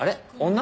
女？